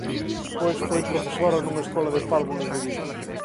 Despois foi profesora nunha escola de párvulos de Vigo.